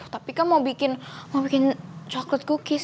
tapi kan mau bikin mau bikin chocolate cookies